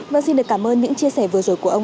vâng xin được cảm ơn những chia sẻ vừa rồi của ông